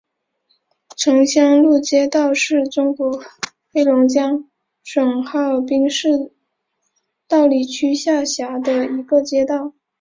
城乡路街道是中国黑龙江省哈尔滨市道里区下辖的一个街道。